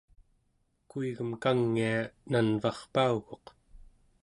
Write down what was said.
kuigem kangia nanvarpauguq